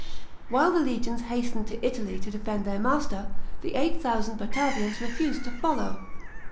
Whi e the legions hastened to Italy to defend their master, the 8000 Batavians refused to follow.